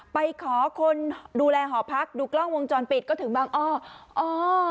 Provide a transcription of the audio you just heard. ไปขอคนดูแลหอพักดูกล้องวงจรปิดก็ถึงบางอ้ออ๋อ